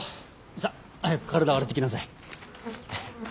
さあ早く体を洗ってきなさい。